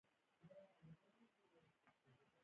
هغې وویل: له یو ګړی راهیسې مې دردونه کېږي.